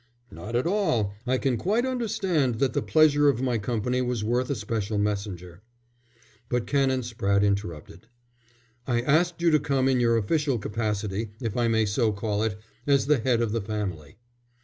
"Not at all. I can quite understand that the pleasure of my company was worth a special messenger." But Canon Spratte interrupted: "I asked you to come in your official capacity, if I may so call it as the head of the family."